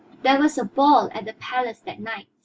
There was a ball at the palace that night.